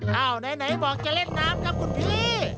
ไหนบอกจะเล่นน้ำครับคุณพี่